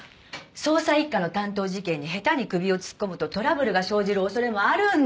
捜査一課の担当事件に下手に首を突っ込むとトラブルが生じる恐れもあるんです。